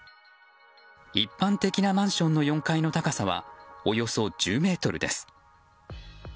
一般的なマンションの４階の高さはおよそ１０ｍです。